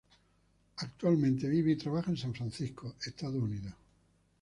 Actualmente vive y trabaja en San Francisco, Estados Unidos.